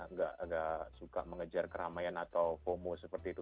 enggak suka mengejar keramaian atau komo seperti itu